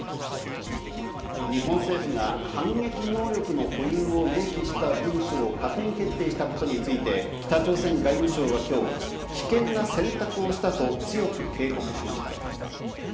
日本政府が反撃能力の保有を明記した文書を閣議決定したことについて北朝鮮外務省は今日、危険な選択をしたと強く警告しました。